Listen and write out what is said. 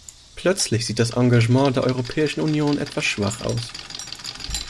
Plötzlich sieht das Engagement der Europäischen Union etwas schwach aus.